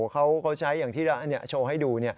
เขาใช้อย่างที่โชว์ให้ดู